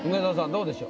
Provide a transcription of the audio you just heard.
どうでしょう？